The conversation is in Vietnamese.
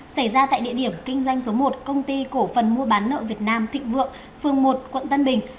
xảy ra tại địa điểm kinh doanh số một công ty cổ phần mua bán nợ việt nam thịnh vượng phường một quận tân bình